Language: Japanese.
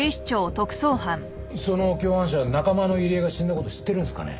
その共犯者は仲間の入江が死んだ事を知ってるんですかね？